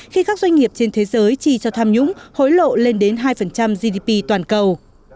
khi các doanh nghiệp trên thế giới chi cho tham nhũng hối lộ lên đến hai gdp toàn cầu